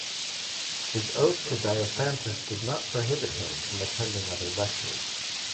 His oath to Diophantus did not prohibit him from attending other lectures.